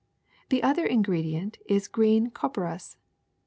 ^^The other ingredient is green copperas.